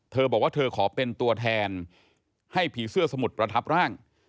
เธอบอกว่าเธอขอเป็นตัวแทนให้ผีเสื้อสมุทรประทับร่าง